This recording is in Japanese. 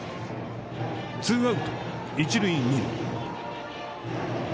ツーアウト、一塁二塁。